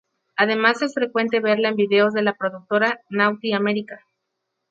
Además es frecuente verla en videos de la productora Naughty America.